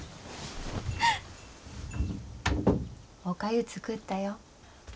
おかゆ作ったよ。